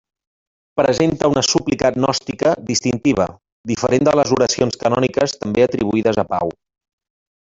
Presenta una súplica gnòstica distintiva, diferent de les oracions canòniques també atribuïdes a Pau.